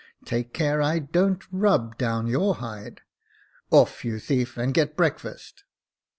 Take care I don't rub down your hide. Off, you thief, and get breakfast."